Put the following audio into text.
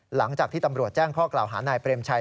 หลังจากที่ตำรวจแจ้งข้อกล่าวหานายเปรมชัย